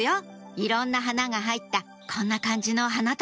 いろんな花が入ったこんな感じの花束